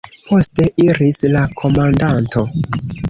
Poste iris la komandanto.